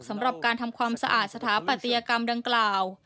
สำหรับการทำความสะอาดสถาปัตยกรรมดังกล่าว